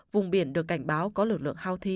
vùng biển được cảnh báo có lực lượng houthi